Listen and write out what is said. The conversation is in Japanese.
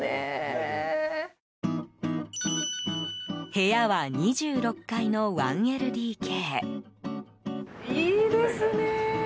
部屋は２６階の１ＬＤＫ。